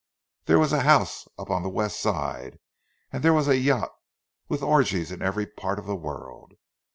There was a house up on the West Side; and there was a yacht, with, orgies in every part of the world.